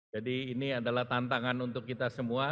jadi ini adalah tantangan untuk kita semua